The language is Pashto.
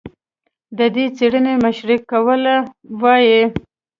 د دې څېړنې مشري یې کوله، وايي